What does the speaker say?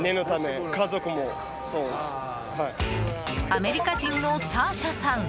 アメリカ人のサーシャさん。